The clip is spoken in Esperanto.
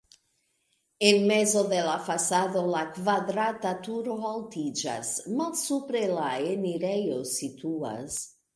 En mezo de la fasado la kvadrata turo altiĝas, malsupre la enirejo situas.